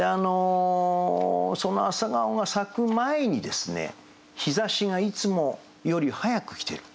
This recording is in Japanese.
その朝顔が咲く前に日ざしがいつもより早く来てる。